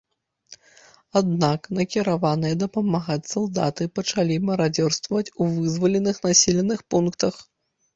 Аднак накіраваныя дапамагаць салдаты пачалі марадзёрстваваць ў вызваленых населеных пунктах.